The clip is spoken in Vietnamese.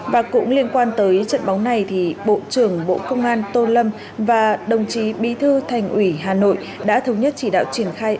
và cũng liên quan tới trận bóng này thì bộ trưởng bộ công an tô lâm và đồng chí bí thư thành ủy hà nội đã thống nhất chỉ đạo triển khai